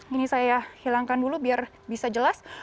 ini saya hilangkan dulu biar bisa jelas